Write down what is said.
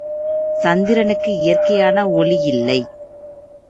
சந்திரனுக்கு இயற்கையான ஒளி இல்லை.